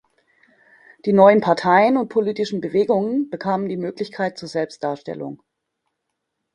Die neuen Parteien und politischen Bewegungen bekamen die Möglichkeit zur Selbstdarstellung.